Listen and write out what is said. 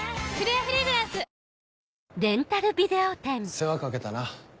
世話掛けたな。